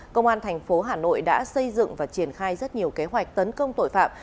công an thành phố hà nội đã xây dựng và triển khai rất nhiều kế hoạch tấn công tội phạm